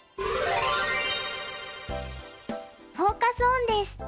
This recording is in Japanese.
フォーカス・オンです。